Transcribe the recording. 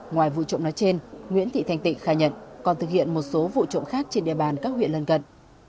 ngoài vụ trộm nói trên nguyễn thị thanh tị khai nhận còn thực hiện một số vụ trộm khác trên địa bàn các huyện lân gần